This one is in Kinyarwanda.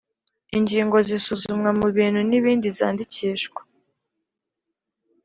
Ingingo zisuzumwa mu bintu n ibindi zandikishwa